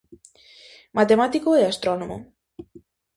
Matemático e astrónomo.